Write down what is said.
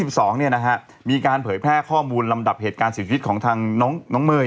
มี๒๒มีการเผยแพะข้อมูลลำดับเหตุการณ์สินคติของน้องเมย์